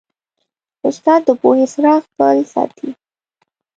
استاد د پوهې څراغ بل ساتي.